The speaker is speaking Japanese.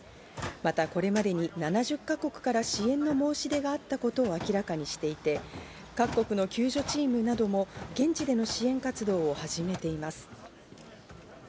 また、これまでに７０か国から支援の申し出があったことを明らかにしていて、各国の救助チームなども現地での支援活動を始めています。